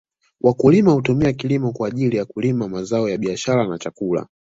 Wakulima hutumia kilimo kwa ajili ya kulima mazao ya biashara na chakula